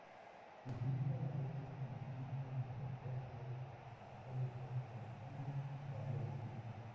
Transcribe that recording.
Se utilizan a veces como puntos de referencia anatómicos en exámenes radiológicos.